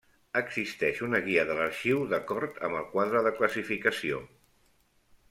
Existeix una guia de l'Arxiu d'acord amb el quadre de classificació.